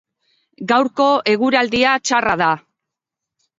Gaurko eguraldia txarra da